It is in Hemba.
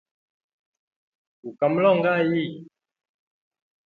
Gu ka mulongʼayi?